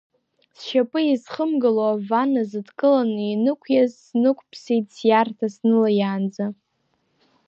Зшьапы изхымгыло, аванна зыдкыланы инықәиаз, снықәԥсит сиарҭа снылаиаанӡа.